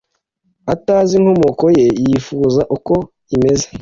atazi inkomoko ye Yifuza uko imeze